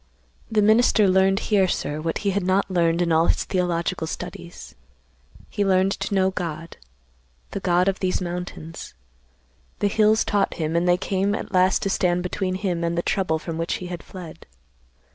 The minister learned here, sir, what he had not learned in all his theological studies. He learned to know God, the God of these mountains. The hills taught him, and they came at last to stand between him and the trouble from which he had fled.